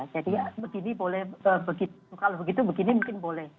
jadi kalau begitu mungkin boleh